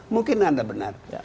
mungkin anda benar